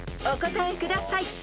お答えください］